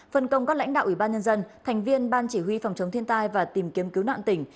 phân công các lãnh đạo ủy ban nhân dân thành viên ban chỉ huy phòng chống thiên tai và tìm kiếm cứu nạn tỉnh